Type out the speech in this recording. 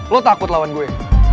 lo takut lawan gue